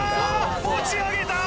持ち上げた！